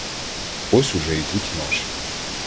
Ось уже ідуть наші.